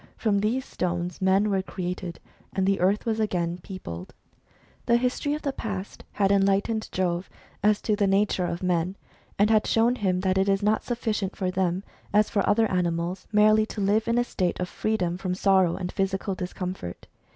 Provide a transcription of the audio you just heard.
From these stones men were created, and the earth was again peopled. The history of the past had enlightened Jove as to the nature of men, and had shown him that it is not sufiicient for them, as for other animals, merely to live in a state of freedom from sorrow and physical discom fort.